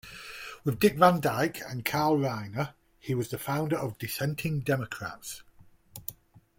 With Dick Van Dyke and Carl Reiner, he was a founder of Dissenting Democrats.